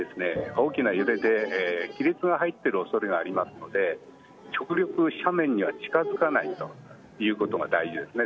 大きな揺れで亀裂が入っている恐れがありますので極力、斜面には近づかないということが大事ですね。